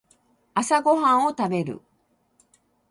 朝ごはんを食べる